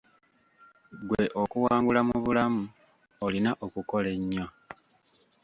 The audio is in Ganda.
Ggwe okuwangula mu bulamu, olina okukola ennyo.